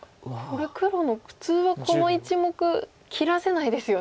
これ黒も普通はこの１目切らせないですよね。